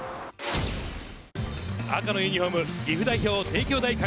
赤のユニホーム岐阜代表・帝京大